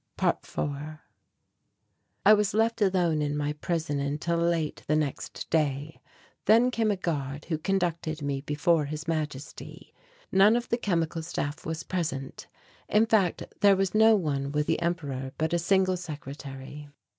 ~4~ I was left alone in my prison until late the next day. Then came a guard who conducted me before His Majesty. None of the Chemical Staff was present. In fact there was no one with the Emperor but a single secretary.